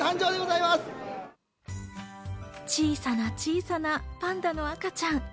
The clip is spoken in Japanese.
小さな小さなパンダの赤ちゃん。